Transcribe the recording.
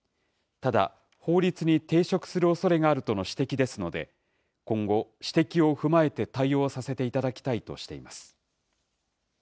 ただ、法律に抵触するおそれがあるとの指摘ですので、今後、指摘を踏まえて対応させていただきたいとしています。